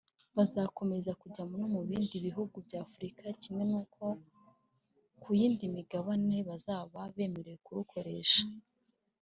bazakomeza kujya no mu bindi bihugu bya Afrika kimwe nuko n'abo ku yindi migabane bazaba bemerewe kurukoresha